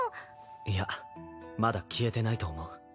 いやまだ消えてないと思う。